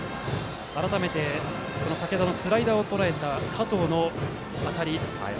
改めて竹田のスライダーをとらえた加藤の当たりです。